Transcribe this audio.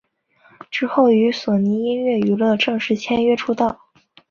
之后与索尼音乐娱乐正式签约出道。